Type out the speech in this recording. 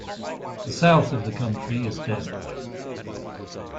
The south of the country is desert.